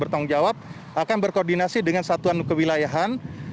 bertanggung jawab akan berkoordinasi dengan satuan kewilayahan